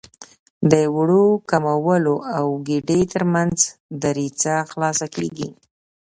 د وړو کولمو او ګیدې تر منځ دریڅه خلاصه کېږي.